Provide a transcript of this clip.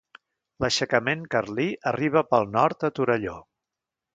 L'aixecament carlí arriba pel nord a Torelló.